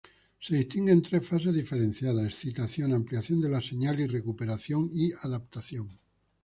Se distinguen tres fases diferenciadas: excitación, amplificación de la señal y recuperación y adaptación.